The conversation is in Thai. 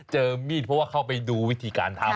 มีดเพราะว่าเข้าไปดูวิธีการทำ